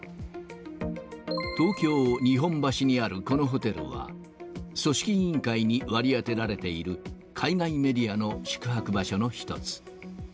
東京・日本橋にあるこのホテルは、組織委員会に割り当てられている海外メディアの宿泊場所の一つ。